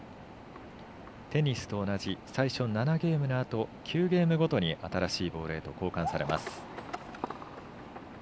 テニスと同じ最初７ゲームのあと９ゲームごとに新しいボールへと交換されます。